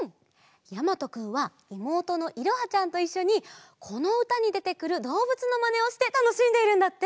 やまとくんはいもうとのいろはちゃんといっしょにこのうたにでてくるどうぶつのまねをしてたのしんでいるんだって！